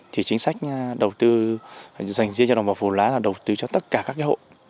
thì chính sách đầu tư dành riêng cho đồng bào phù lá là đầu tư cho tất cả các hộ